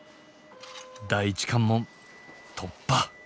第一関門突破！